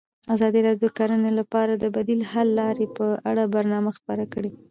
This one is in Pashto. ازادي راډیو د کرهنه لپاره د بدیل حل لارې په اړه برنامه خپاره کړې.